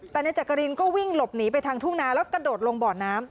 แต่นายจักรินก็วิ่งหลบหนีไปทางทุ่งนาแล้วกระโดดลงบ่อน้ำ